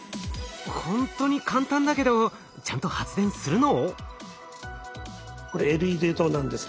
ほんとに簡単だけどちゃんと発電するの？